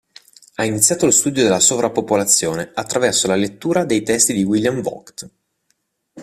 Ha iniziato lo studio della sovrappopolazione attraverso la lettura dei testi di William Vogt.